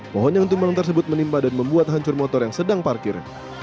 pohon yang tumbang tersebut menimpa dan membuat hancur motor yang sedang parkir